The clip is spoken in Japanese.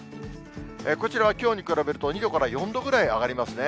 こちらはきょうに比べると２度から４度ぐらい上がりますね。